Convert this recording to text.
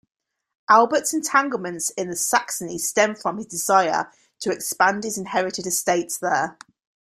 Albert's entanglements in Saxony stemmed from his desire to expand his inherited estates there.